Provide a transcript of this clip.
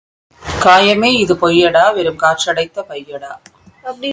காயமே இது பொய்யடா வெறும் காற்றடைத்த பையடா.